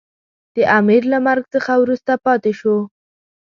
د امیر له مرګ څخه وروسته پاته شو.